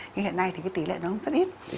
nhưng hiện nay thì cái tỷ lệ nó rất ít